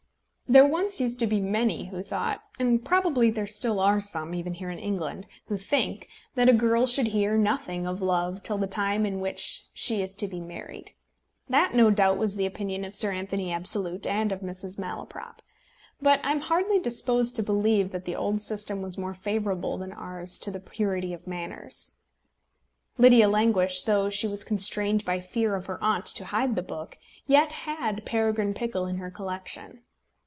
There once used to be many who thought, and probably there still are some, even here in England, who think that a girl should hear nothing of love till the time come in which she is to be married. That, no doubt, was the opinion of Sir Anthony Absolute and of Mrs. Malaprop. But I am hardly disposed to believe that the old system was more favourable than ours to the purity of manners. Lydia Languish, though she was constrained by fear of her aunt to hide the book, yet had Peregrine Pickle in her collection.